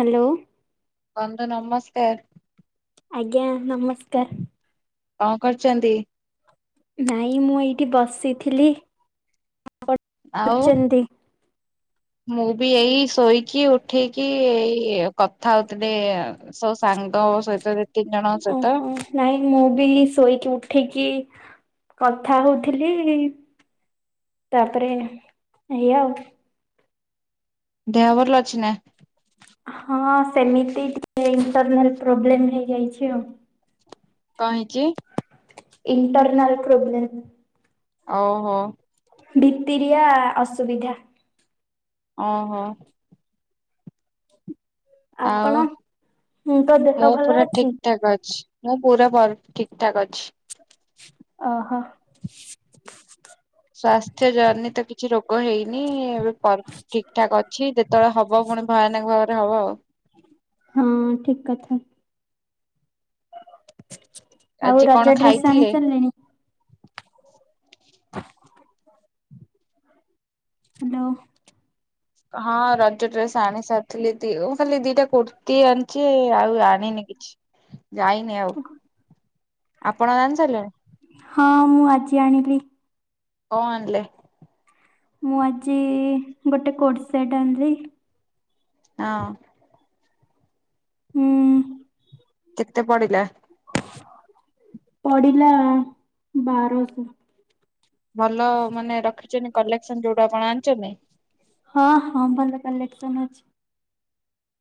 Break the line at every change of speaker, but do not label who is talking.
Hello.
ବନ୍ଧୁ ନମସ୍କାର।
ଆଜ୍ଞା ନମସ୍କାର।
କଣ କରୁଛନ୍ତି?
ନାଇଁ ମୁଁ ଏଇଠି ବସିଥିଲି ଆପଣ କଣ
ଆଉ
କରୁଛନ୍ତି?
ମୁଁ ବି ଏଇ ଶୋଇକି ଉଠେଇକି ଏଇ କଥା ହଉଥିଲେ ସବ ସାଙ୍ଗ ସହିତ ଯେତିକି ଜଣ ତମେ?
ଓହୋ ନାଇଁ ମୁଁ ବି ଶୋଇକି ଉଠେଇକି କଥା ହଉଥିଲି ତାପରେ ଏଇ ଆଉ।
ଦେହ ଭଲ ଅଛି ନା?
ହଁ ସେମିତି ଟିକେ ଇଣ୍ଟରନାଲ ପ୍ରୋବ୍ଲେମ ହେଇଯାଇଛି ଆଉ।
କଣ ହେଇଚି?
Internal problem.
ଓହୋ
ଭିତ୍ତିରିଆ ଅସୁବିଧା।
ଓ ହୋ
ଆପଣ
ଆଉ
ଙ୍କ ଦେହ
ମୁଁ
ଭଲ
ପୁରା
ଅଛି?
ଠିକ ଠାକ୍ ଅଛି। ମୁଁ ପୁରା ଠିକ ଠାକ୍ ଅଛି।
ଓହୋ
ସ୍ଵାସ୍ଥ୍ୟ ଜନିତ କିଛି ରୋଗ ହେଇନି ଏବେ ଠିକ ଠାକ୍ ଅଛି ଯେତେବେଳେ ହବ ପୁଣି ଭୟାନକ ଭାବରେ ହବ ଆଉ।
ହଁ ଠିକ କଥା। ଆଉ
ଆଜି
ରଜ
କଣ
ଡ୍ରେସ୍ ଆଣି
ଖାଇଥିଲେ?
ସାରିଲେଣି। ହ୍ୟାଲୋ।
ହଁ ରଜ ଡ୍ରେସ୍ ଆଣି ସାରିଥିଲି ଦି ମୁଁ ଖାଲି ଦିଟା କୁର୍ତ୍ତିୀ ଆଣିଛି ଆଉ ଆଣିନି କି ଯାଇନି ଆଉ ଆପଣ ଆଣି ସାରିଲେଣି।
ହଁ ମୁଁ ଆଜି ଆଣିଲି।
କଁ ଆଣିଲେ।
ମୁଁ ଆଜି ଗୋଟେ କୋଡ ସେଟ ଆଣିଲି।
ହଁ।
ହୁଁ।
କେତେ ପଡିଲା।
ପଢିଲା ବାରଶହ।
ଭଲ ମାନେ ରଖିଛନ୍ତିଛନ୍ତି କଲେକ୍ସନ ଯୋଉଟା ଆପଣ ଆଣିଛନ୍ତି।
ହଁ ହଁ ଭଲ କଲେକ୍ସନ ଅଛି।